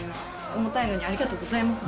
重たいのにありがとうございます。